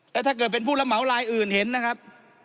แล้วถ้าเกิดเป็นผู้รับเหมาลายอื่นเห็นนะครับ